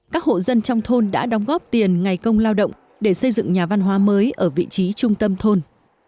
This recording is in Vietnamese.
các hộ dân trong thôn đã đóng góp tiền ngày công lao động để xây dựng nhà văn hóa mới ở vị trí trung tâm thôn